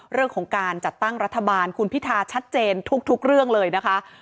เรื่องของการจัดตั้งรัฐบาลคุณพิธาชัดเจนทุกเรื่องเลยนะคะ